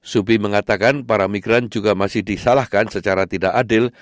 subi mengatakan para migran juga masih disalahkan secara tidak adil